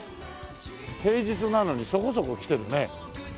平日なのにそこそこ来てるね。